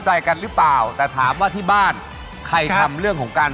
โชคความแม่นแทนนุ่มในศึกที่๒กันแล้วล่ะครับ